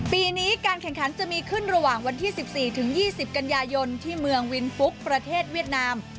ปีนี้การแข่งขันจะมีขึ้นระหว่างวันที่๑๔๒๐กันยายนที่เมืองวินฟุกประเทศเวียดนาม